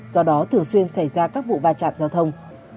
do đó thường xuyên xảy ra các vụ va chạm giao thông